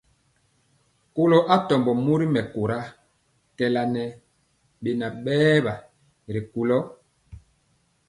Kɔlo atɔmbɔ mori mɛkóra kɛɛla ŋɛ beŋa berwa ri kula.